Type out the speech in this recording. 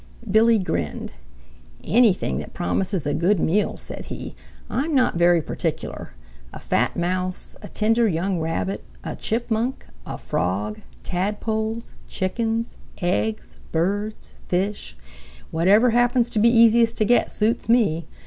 Billy grinned. "Anything that promises a good meal," said he. "I'm not very particular. A fat Mouse, a tender young Rabbit, a Chipmunk, a Frog, Tadpoles, Chickens, eggs, birds, fish; whatever happens to be easiest to get suits me.